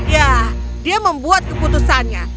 ya dia membuat keputusannya